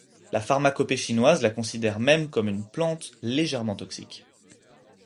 La pharmacopée chinoise la considère même comme une plante légèrement toxique.